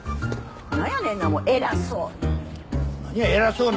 何やねんなもう偉そうに。